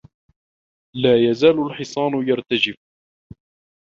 لا يزال الحصان يرتجف.